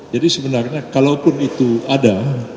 sebenarnya kalaupun itu ada